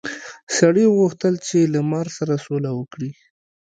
سړي وغوښتل چې له مار سره سوله وکړي.